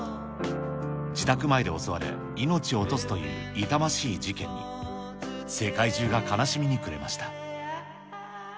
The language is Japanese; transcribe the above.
自宅前で襲われ、命を落とすという痛ましい事件に、世界中が悲しみに暮れました。